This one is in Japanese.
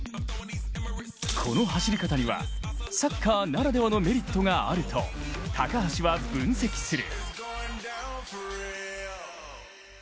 この走り方には、サッカーならではのメリットがあると高橋は分析する。